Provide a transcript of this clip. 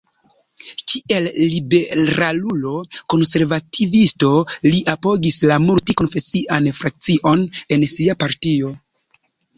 Kiel liberalulo-konservativisto li apogis la multi-konfesian frakcion en sia partio.